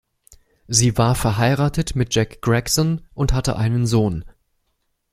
Sie war verheiratet mit Jack Gregson und hatte einen Sohn.